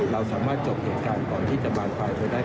เราสามารถจบเหตุการณ์ก่อนที่จะบานปลายไปได้